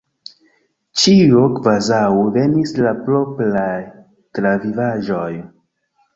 Ĉio kvazaŭ venis el propraj travivaĵoj.